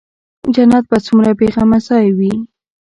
جنت به څومره بې غمه ځاى وي.